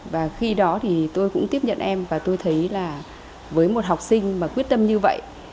và khi đó thì tôi cũng tiếp nhận em và tôi thấy là với một học sinh mà quyết tâm như vậy